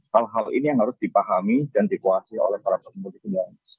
hal hal ini yang harus dipahami dan dikuasai oleh para pemudik ini